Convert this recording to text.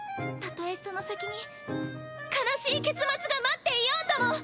たとえその先に悲しい結末が待っていようとも！